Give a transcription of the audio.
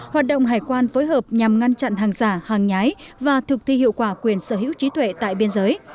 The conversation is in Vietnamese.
hoạt động hải quan phối hợp nhằm ngăn chặn hàng giả hàng nhái và thực thi hiệu quả quyền sở hữu trí tuệ tại biên giới